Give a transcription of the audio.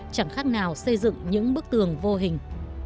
chẳng khác nào xây dựng những bức tường vô hình